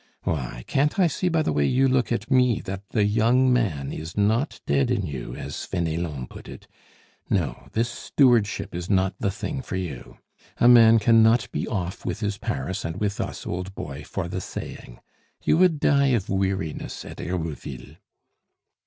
Why, can't I see by the way you look at me that the young man is not dead in you as Fenelon put it. No, this stewardship is not the thing for you. A man cannot be off with his Paris and with us, old boy, for the saying! You would die of weariness at Herouville."